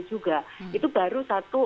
juga itu baru satu